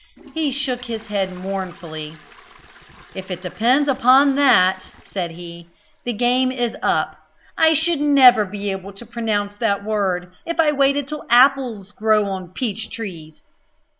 He shook his head mournfully "If it depends upon that," said he, "the game is up I should never be able to pronounce that word, if I waited till apples grow on peach trees."